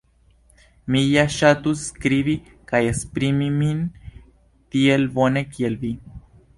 Mi ja ŝatus skribi kaj esprimi min tiel bone kiel vi.